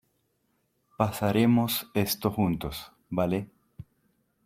pasaremos esto juntos. vale .